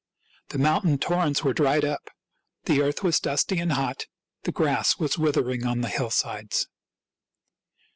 The moun tain torrents were dried up; the earth was dusty and hot ; the grass was withering on the hillsides.